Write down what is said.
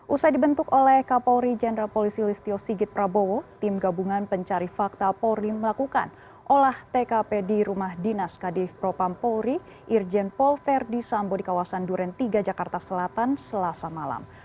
usai dibentuk oleh kapolri jenderal polisi listio sigit prabowo tim gabungan pencari fakta polri melakukan olah tkp di rumah dinas kadif propam polri irjen paul verdi sambo di kawasan duren tiga jakarta selatan selasa malam